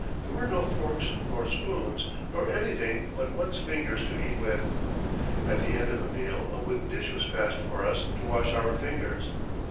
There were no forks nor spoons, nor anything but one's fingers to eat with. At the end of the meal a wooden dish was passed for us to wash our fingers.